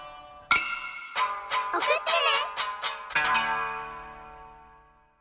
おくってね。